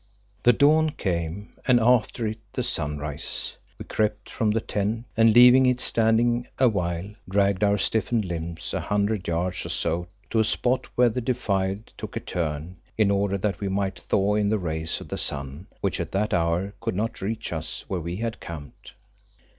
The dawn came, and, after it, the sunrise. We crept from the tent, and leaving it standing awhile, dragged our stiffened limbs a hundred yards or so to a spot where the defile took a turn, in order that we might thaw in the rays of the sun, which at that hour could not reach us where we had camped.